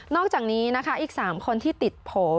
อกจากนี้นะคะอีก๓คนที่ติดโผล่